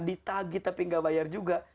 ditagih tapi gak bayar juga